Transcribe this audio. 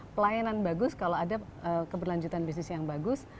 pelayanan bagus kalau ada keberlanjutan bisnis yang bagus